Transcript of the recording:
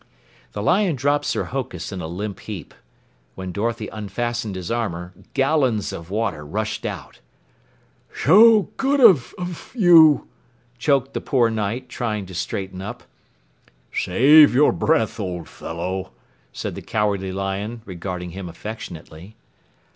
The Lion dropped Sir Hokus in a limp heap. When Dorothy unfastened his armor, gallons of water rushed out. "Sho good of of you," choked the poor Knight, trying to straighten up. "Save your breath, old fellow," said the Cowardly Lion, regarding him affectionately.